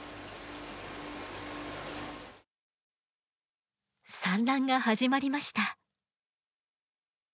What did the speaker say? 産卵が始まりました。